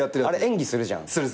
あれ演技するじゃん。